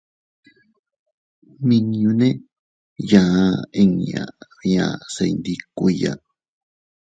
Nmiñune yaa inña bia se iyndikuiya.